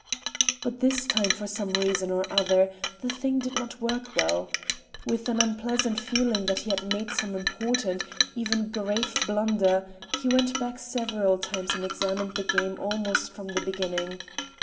But this time for some reason or other the thing did not work well. With an unpleasant feeling that he had made some important, even grave blunder, he went back several times and examined the game almost from the beginning.